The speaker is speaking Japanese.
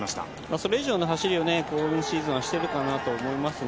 それ以上の走りを今シーズンはしてるかなと思います。